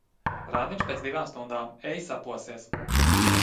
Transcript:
Randiņš pēc divām stundām, ej saposies!